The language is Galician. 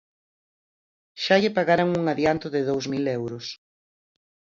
Xa lle pagaran un adianto de dous mil euros.